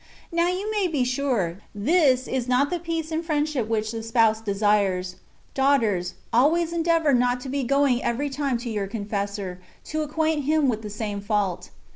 Now, you may be sure, this is not the peace and friendship which the Spouse desires. Daughters, always endeavour not to be going every time to your confessor, to acquaint him with the same fault.